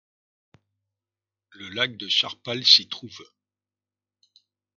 Le lac de Charpal s'y trouve.